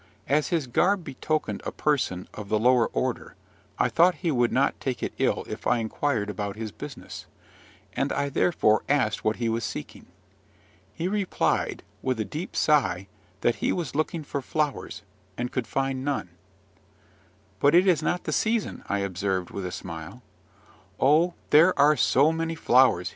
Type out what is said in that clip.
As his garb betokened a person of the lower order, I thought he would not take it ill if I inquired about his business; and I therefore asked what he was seeking. He replied, with a deep sigh, that he was looking for flowers, and could find none. "But it is not the season," I observed, with a smile. "Oh, there are so many flowers!"